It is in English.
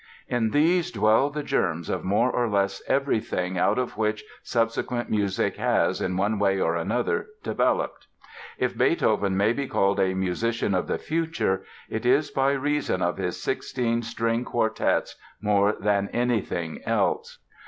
In these dwell the germs of more or less everything out of which subsequent music has, in one way or another, developed. If Beethoven may be called a "musician of the future" it is by reason of his sixteen string quartets more than by anything else.